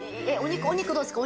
お肉どうですか？